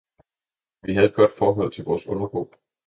Vi havde et godt forhold til vores underbo.